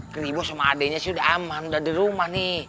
keribo sama adiknya sih udah aman udah di rumah nih